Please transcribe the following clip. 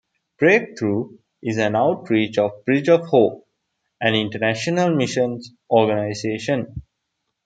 "Breakthrough" is an outreach of Bridge of Hope, an international missions organization.